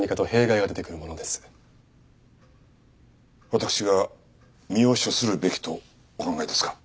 私が身を処するべきとお考えですか？